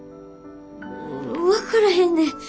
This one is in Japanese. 分からへんねん。